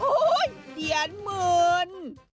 โอ้ยเดี๋ยนหมื่น